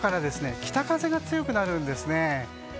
午後から北風が強くなるんですね。